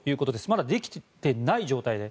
まだできてない状態で。